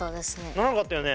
ならなかったよね。